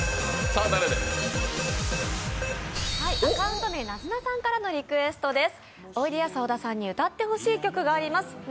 アカウント名、なずなさんからのリクエストです。